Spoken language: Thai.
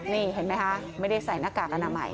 นี่เห็นไหมคะไม่ได้ใส่หน้ากากอนามัย